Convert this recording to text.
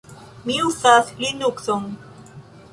Mi uzas Linukson.